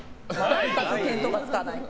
見当がつかない。